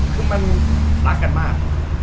คือมันรักกันมาก